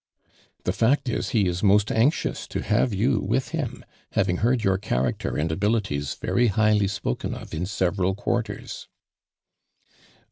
The fact is he is most anxious to ha\ e you with him, having heard your cha raci>rand abilities very highly spoken of in several quartei s."